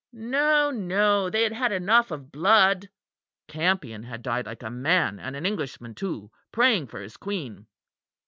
No, no! they had had enough of blood. Campion had died like a man; and an Englishman too praying for his Queen."